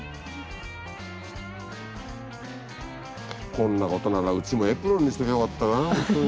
こんなことならうちもエプロンにしときゃよかったなほんとに。